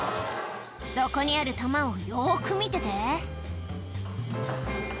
「そこにある球をよく見てて」